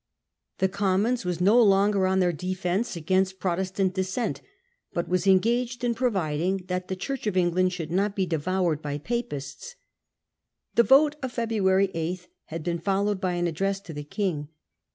The Commons were no longer on their defence against Pro The Declaration Cancelled, 223 1673 testant dissent, but were engaged in providing that the Church of England should not be 4 devoured by Papists.' The vote of February 8 had been followed by an address to the King.